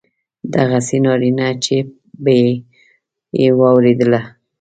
دغسې ناپړېته چې به یې واورېدله.